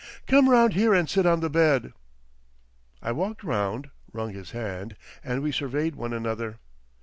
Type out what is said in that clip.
Come round here and sit on the bed!" I walked round, wrung his hand, and we surveyed one another.